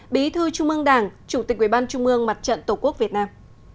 bí thư trung mương đảng chủ tịch quyền ban trung mương mặt trận tổ quốc việt nam